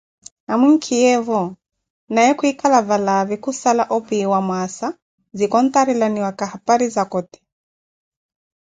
Amwinkiyeevo naye kwikala valaavi khusala opiiwa mwassa zikhontarelaniwaka hapari za koti.